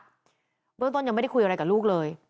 เบื้องต้นยังไม่ได้คุยอะไรกับลูกเลย